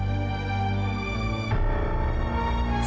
oh begitu ya bu baguslah